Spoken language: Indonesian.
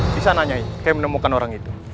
bisa nanyain kayak menemukan orang itu